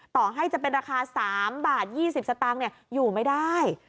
ต่อให้จะเป็นราคา๓๒๐บาทอยู่ไม่ได้